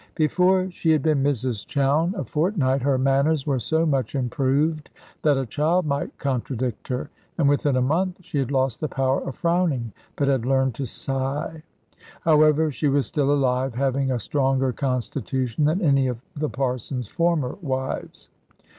Before she had been Mrs Chowne a fortnight, her manners were so much improved that a child might contradict her; and within a month she had lost the power of frowning, but had learned to sigh. However, she was still alive, having a stronger constitution than any of the Parson's former wives.